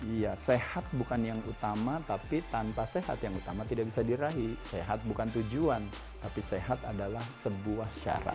iya sehat bukan yang utama tapi tanpa sehat yang utama tidak bisa dirahi sehat bukan tujuan tapi sehat adalah sebuah syarat